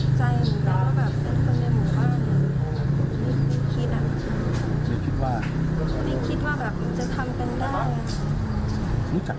เพราะว่าพ่อมีสองอารมณ์ความรู้สึกดีใจที่เจอพ่อแล้ว